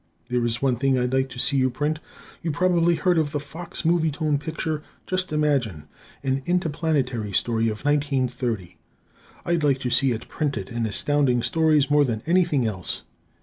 There is one thing I'd like to see you print. You probably have heard of the Fox Movietone picture, "Just Imagine," an interplanetary story of 1930. I'd like to see it printed in Astounding Stories more than anything else.